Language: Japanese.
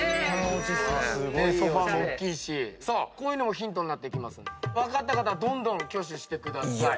こういうのもヒントになってきますので分かった方はどんどん挙手してください。